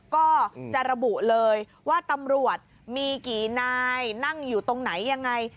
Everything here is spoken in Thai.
ก็จะระบุเลยว่าตำรวจมีกี่นายนั่งอยู่ตรงไหนยังไง